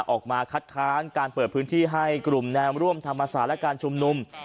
ออกมาคัดค้านการเปิดพื้นที่ให้กลุ่มแนวร่วมธรรมศาสตร์และการชุมนุม